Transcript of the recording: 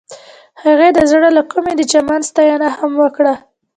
هغې د زړه له کومې د چمن ستاینه هم وکړه.